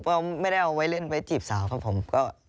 เราไม่ได้เอาเล่นไปจีบสาวครับค่ะ